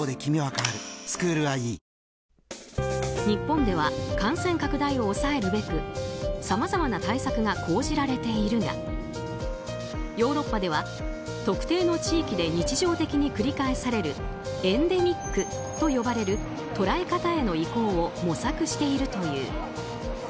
日本では感染拡大を抑えるべくさまざまな対策が講じられているがヨーロッパでは特定の地域で日常的に繰り返されるエンデミックと呼ばれる捉え方への移行を模索しているという。